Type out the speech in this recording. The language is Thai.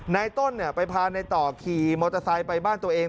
ในต้นไปพาในต่อขี่มอเตอร์ไซค์ไปบ้านตัวเอง